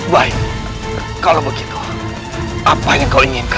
baik kalau begitu apa yang kau inginkan